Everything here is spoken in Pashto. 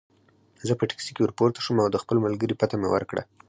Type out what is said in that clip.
زه په ټکسي کې ورپورته شوم او د خپل ملګري پته مې ورکړه.